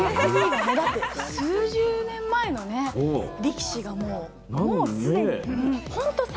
数十年前の力士がもう既に。